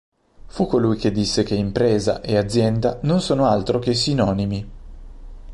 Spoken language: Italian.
Fu colui che disse che impresa e azienda non sono altro che sinonimi.